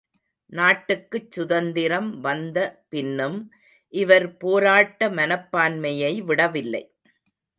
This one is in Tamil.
நாட்டுக்குச் சுதந்திரம் வந்த பின்னும் இவர் போராட்ட மனப்பான்மையை விடவில்லை.